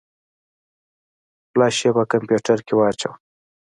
فلش يې په کمپيوټر کې واچوه.